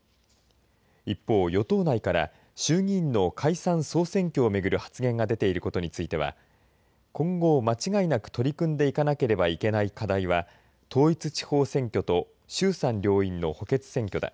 一方、与党内から衆議院の解散総選挙を巡る発言が出ていることについては今後、間違いなく取り組んでいかなければいけない課題は統一地方選挙と衆参両院の補欠選挙だ。